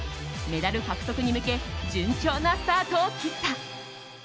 メダル獲得に向け順調なスタートを切った。